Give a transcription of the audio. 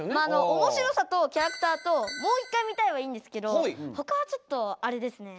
「おもしろさ」と「キャラクター」と「もう１回見たい」はいいんですけど他はちょっとあれですね。